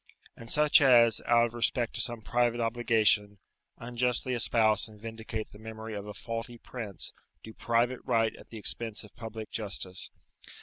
And such as, out of respect to some private obligation, unjustly espouse and vindicate the memory of a faulty prince, do private right at the expense of public justice.